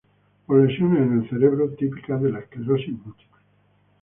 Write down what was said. Por lesiones en el cerebelo típicas de la esclerosis múltiple.